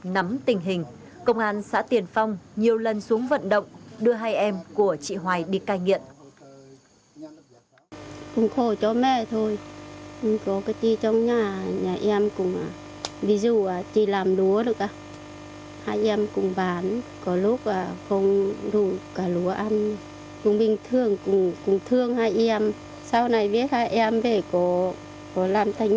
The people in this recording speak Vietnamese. nắm tình hình công an xã tiền phong nhiều lần xuống vận động đưa hai em của chị hoài đi cai nghiện